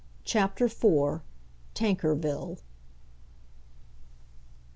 CHAPTER IV. TANKERVILLE.